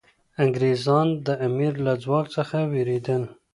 انګریزان د امیر له ځواک څخه ویرېدل.